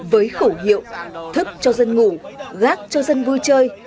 với khẩu hiệu thức cho dân ngủ gác cho dân vui chơi